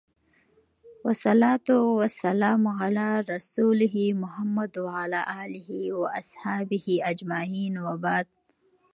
والصلوة والسلام على رسوله محمد وعلى اله واصحابه اجمعين وبعد